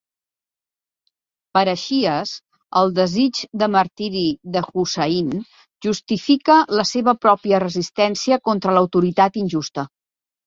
Per a Shias, el desig de martiri de Husayn justifica la seva pròpia resistència contra l'autoritat injusta.